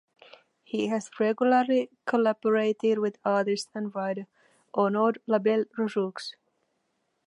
He has regularly collaborated with artist and writer Arnaud Labelle-Rojoux.